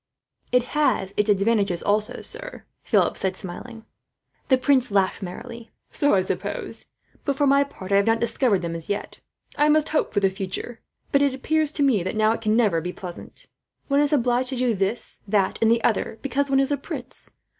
"It has its advantages also, sir," Philip said, smiling. The prince laughed merrily. "So I suppose; but for my part, I have not discovered them, as yet. I must hope for the future; but it appears to me, now, that it can never be pleasant. One is obliged to do this, that, and the other because one is a prince.